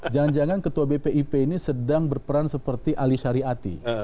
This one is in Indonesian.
jangan jangan ketua bpip ini sedang berperan seperti ali syari ati